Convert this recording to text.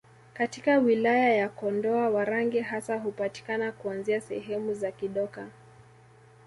Katika wilaya ya Kondoa Warangi hasa hupatikana kuanzia sehemu za Kidoka